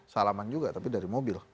salaman juga tapi dari mobil